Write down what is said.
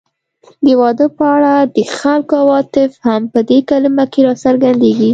د واده په اړه د خلکو عواطف هم په دې کلمه کې راڅرګندېږي